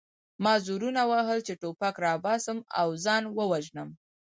ما زورونه وهل چې ټوپک راوباسم او ځان ووژنم